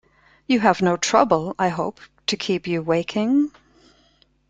You have no trouble, I hope, to keep you waking?